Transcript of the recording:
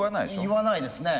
言わないですね。